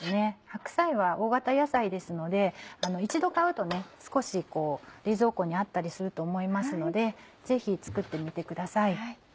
白菜は大型野菜ですので一度買うと少し冷蔵庫にあったりすると思いますのでぜひ作ってみてください。